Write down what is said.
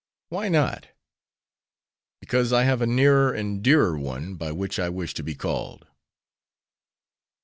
"Why not?" "Because I have a nearer and dearer one by which I wish to be called."